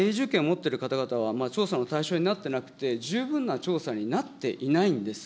また、永住権を持ってる方々は調査の対象になってなくて、十分な調査になっていないんです。